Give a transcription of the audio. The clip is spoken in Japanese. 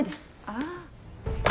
ああ。